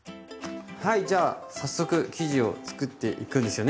はいじゃあ早速生地を作っていくんですよね？